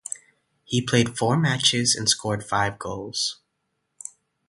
He played four matches and scored five goals.